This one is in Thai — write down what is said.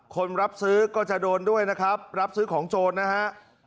คนรับซื้อก็จะโดนด้วยนะครับรับซื้อของโจรนะฮะ